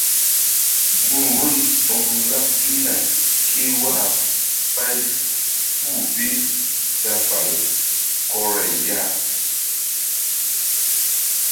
Gun wori toŋ laɓ pihna ké waka ɓày puh bi ta fàl kɔray ya.